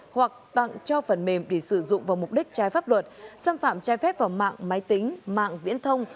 hoặc tặng cho phần mềm để sử dụng vào mục đích trái pháp luật xâm phạm trái phép vào mạng máy tính mạng viễn thông